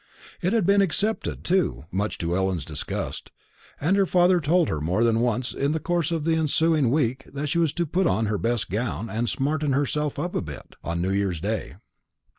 It had been accepted too, much to Ellen's disgust; and her father told her more than once in the course of the ensuing week that she was to put on her best gown, and smarten herself up a bit, on New year's day.